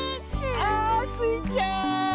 あスイちゃん！